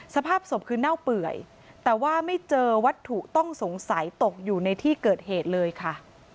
สภาพศพคือเน่าเปื่อยแต่ว่าไม่เจอวัตถุต้องสงสัยตกอยู่ในที่เกิดเหตุเลยค่ะ